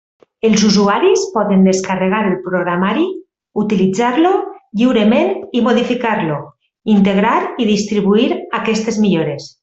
Els usuaris poden descarregar el programari, utilitzar-lo lliurement i modificar-lo, integrar i distribuir aquestes millores.